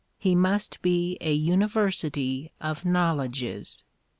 He must be a university of knowledges.